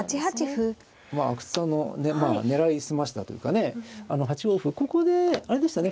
まあ阿久津さんの狙い澄ましたというかね８五歩ここであれでしたね